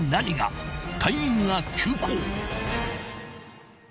［隊員が急行！］